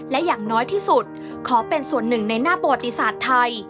และอย่างน้อยที่สุดขอเป็นส่วนหนึ่งในหน้าประวัติศาสตร์ไทย